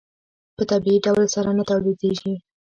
په طبیعي ډول بېرته نه تولیدېږي.